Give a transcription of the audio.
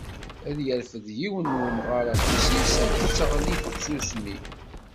Ad yerfed yiwen n umɣar afus-is, ad d-teɣli tsusmi.